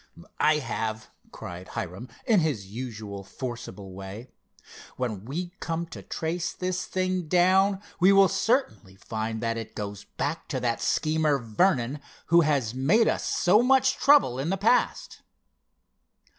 "I have!" cried Hiram in his usual forcible way. "When we come to trace this thing down, we will certainly find that it goes back to that schemer, Vernon, who has made us so much trouble in the past."